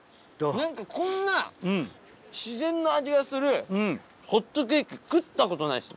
何かこんな自然の味がするホットケーキ食ったことないです！